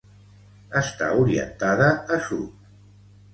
Està orientada a sud.